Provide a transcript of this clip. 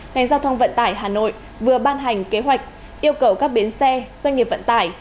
ngành giao thông vận tải hà nội vừa ban hành kế hoạch yêu cầu các bến xe doanh nghiệp vận tải